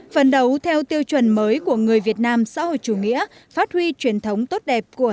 phần đấu theo tiêu chuẩn mới của người việt nam xã hội chủ nghĩa phát huy truyền thống tốt đẹp của